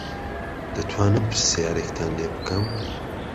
دەتوانم پرسیارێکتان لێ بکەم؟